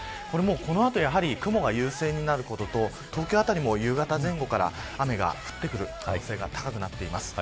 この後、雲が優勢になることと東京あたりも夕方から雨が降ってくる可能性が高くなっています。